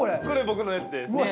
これ僕のやつです。